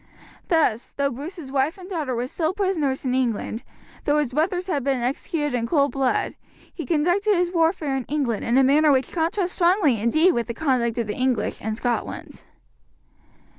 Thus, though Bruce's wife and daughter were still prisoners in England, though his brothers had been executed in cold blood, he conducted his warfare in England in a manner which contrasts strongly indeed with the conduct of the English in Scotland.